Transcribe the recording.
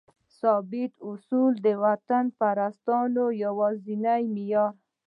ثابت اصول؛ د وطنپرستانو یوازینی معیار